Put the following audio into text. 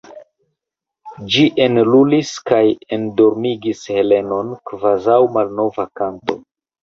Ĝi enlulis kaj endormigis Helenon kvazaŭ malnova kanto.